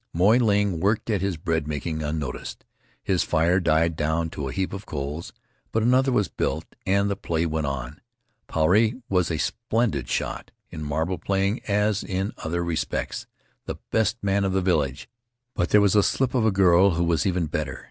Moy Ling worked at his bread making unnoticed. His fire died down to a heap of coals, but another was built and the play went on. Puarei was a splendid shot, in marble playing as in other respects, the best man of the village; but there was a slip of a girl who was even better.